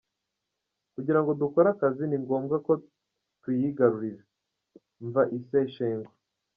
Kugira dukore akazi, ni ngombwa ku tuyigarurira… mva I Seshego.